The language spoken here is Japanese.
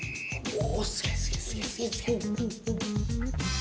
お！